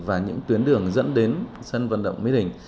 và những tuyến đường dẫn đến sân vận động mỹ đình